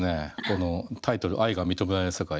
このタイトル「愛が認められない世界」。